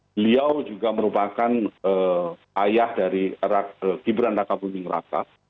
beliau juga merupakan ayah dari gibran raka buming raka